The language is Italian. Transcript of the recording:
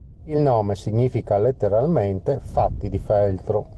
Il nome significa letteralmente "fatti di feltro".